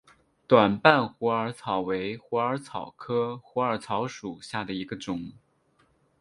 短瓣虎耳草为虎耳草科虎耳草属下的一个种。